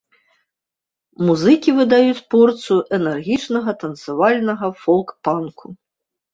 Музыкі выдаюць порцыю энергічнага танцавальнага фолк-панку.